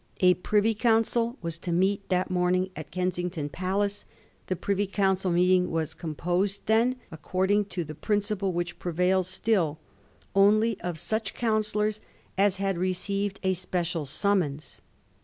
A Privy Council was to meet that morning at Kensington Palace. The Privy OouncU meeting was composed then, accord ing to the principle which prevails still, only of such councillors as had received a special summons.